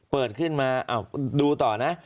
เปิดขึ้นมาดูต่อนะ